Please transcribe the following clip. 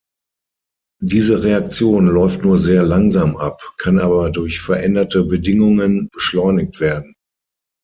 Diese Reaktion läuft nur sehr langsam ab, kann aber durch veränderte Bedingungen beschleunigt werden.